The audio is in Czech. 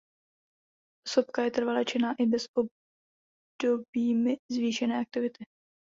Sopka je trvale činná i mezi obdobími zvýšené aktivity.